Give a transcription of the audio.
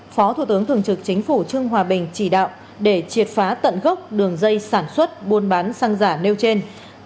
phó thủ tướng thường trực chính phủ trương hòa bình chỉ đạo để triệt phá tận gốc đường dây sản xuất buôn bán xăng giả nêu trên